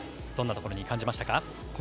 どんなところに感じましたか。